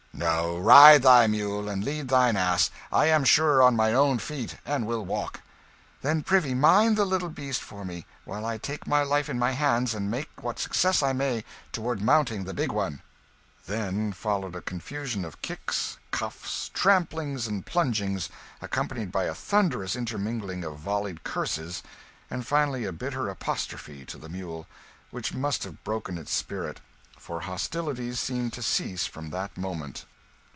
"No ride thy mule, and lead thine ass; I am surer on mine own feet, and will walk." "Then prithee mind the little beast for me while I take my life in my hands and make what success I may toward mounting the big one." Then followed a confusion of kicks, cuffs, tramplings and plungings, accompanied by a thunderous intermingling of volleyed curses, and finally a bitter apostrophe to the mule, which must have broken its spirit, for hostilities seemed to cease from that moment.